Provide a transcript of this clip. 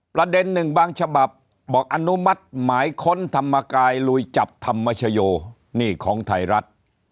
ประเด็นหนึ่งบางฉบับบอกอนุมัติหมายค้นธรรมกายลุยจับธรรมชโยนี่ของไทยรัฐ